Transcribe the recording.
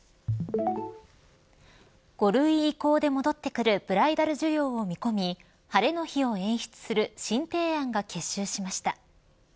５類移行で戻ってくるブライダル需要を見込み晴れの日を演出する新提案が結集しました。